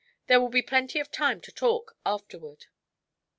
There will be plenty of time to talk afterward."